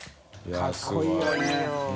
かっこいいよね。